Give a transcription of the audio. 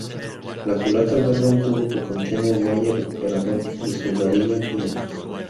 La culata alberga un tubo que contiene el muelle recuperador y su varilla-guía.